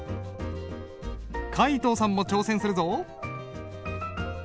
皆藤さんも挑戦するぞ。